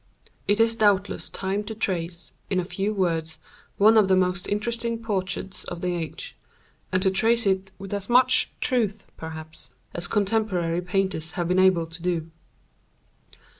It is doubtless time to trace, in a few words, one of the most interesting portraits of the age, and to trace it with as much truth, perhaps, as contemporary painters have been able to do.